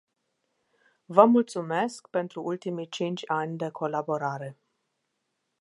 Vă mulțumesc pentru ultimii cinci ani de colaborare.